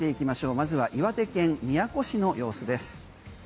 まずは岩手県宮古市の様子です。